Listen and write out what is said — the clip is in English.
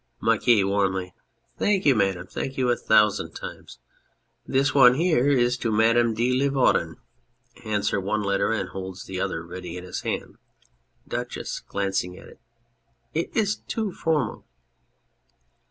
MAKQUIS (warmly). Thank you, Madam ; thank you a thousand times ! This one here is to Madame de Livaudan (/lands her one letter and holds the other ready in his hand). DUCHESS (glancing at if). It is too formal